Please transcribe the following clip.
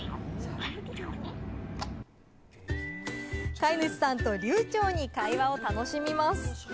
飼い主さんと流ちょうに会話を楽しみます。